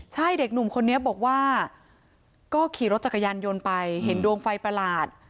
ใช่เด็กหนุ่มคนนี้บอกว่าก็ขี่รถจักรยานยนต์ไปเห็นดวงไฟประหลาด